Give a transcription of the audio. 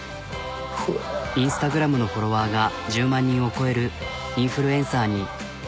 Ｉｎｓｔａｇｒａｍのフォロワーが１０万人を超えるインフルエンサーに。